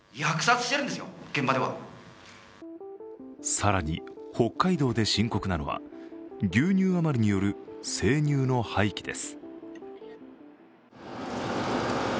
更に、北海道で深刻なのは牛乳余りによる生乳の廃棄です。